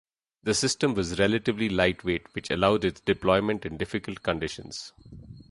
The system was relatively light-weight, which allowed its deployment in difficult conditions.